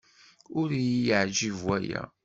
Ur iyi-yeɛjib waya.